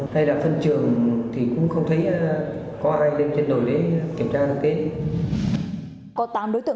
thay đặt phân trường thì cũng không thấy có ai lên trên đồi để kiểm tra được kết